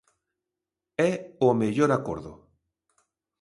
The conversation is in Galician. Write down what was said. É o mellor acordo.